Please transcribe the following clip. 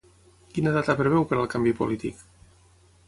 Quina data preveu per al canvi polític?